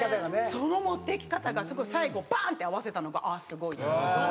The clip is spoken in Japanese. その持ってき方が最後バンって合わせたのがああすごい。